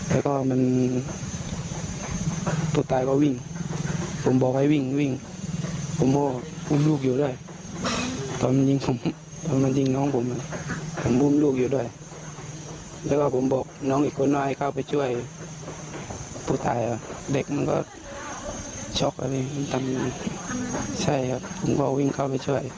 แล้วก็ผมบอกน้องอีกคนหน่อยเข้าไปช่วยผู้ตายเด็กมันก็ช็อกอะไรใช่ครับผมก็วิ่งเข้าไปช่วย